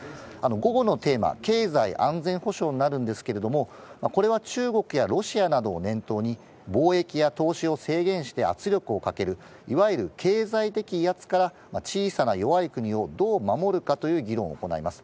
午後のテーマ、経済安全保障になるんですけど、これは中国やロシアなどを念頭に、貿易や投資を制限して圧力をかける、いわゆる経済的威圧から小さな弱い国をどう守るかという議論を行います。